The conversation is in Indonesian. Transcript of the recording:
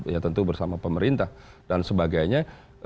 ya tentu bersama pemerintah dan sebagainya